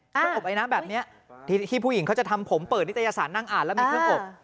ระบบไอน้ำแบบนี้ที่ผู้หญิงเขาจะทำผมเปิดนิตยสารนั่งอ่านแล้วมีเครื่องอบ